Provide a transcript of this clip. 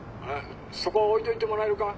そこ置いといてもらえるか？」。